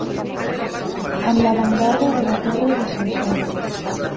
Amb l'avantguarda de la torre de Solsona.